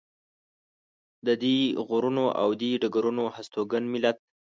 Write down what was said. د دې غرونو او دې ډګرونو هستوګن ملت.